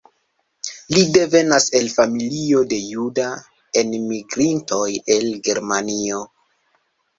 Li devenas el familio de juda enmigrintoj el Germanio.